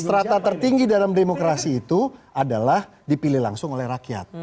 strata tertinggi dalam demokrasi itu adalah dipilih langsung oleh rakyat